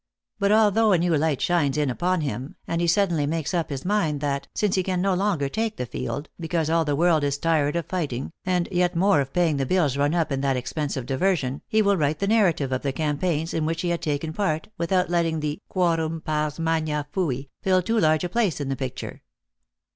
But although a new light shines in upon him, and he suddenly makes up his mind that, since he can no longer take the field, because all the world is tired of fighting, and yet more of paying the bills run up in that expensive diversion, he will write the narrative of the campaigns in which he had taken part,[without letting the quorum pars magna fid fill too large a place in the picture.